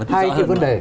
hai cái vấn đề